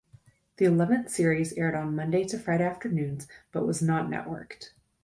The eleventh series aired on Monday to Friday afternoons, but was not networked.